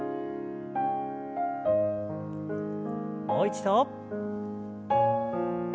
もう一度。